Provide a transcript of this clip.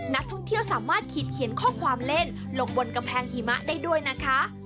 นักท่องเที่ยวสามารถขีดเขียนข้อความเล่นลงบนกำแพงหิมะได้ด้วยนะคะ